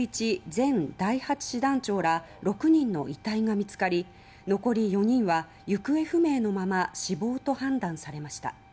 前第八師団長ら６人の遺体が見つかり残り４人は行方不明のまま死亡と判断されました。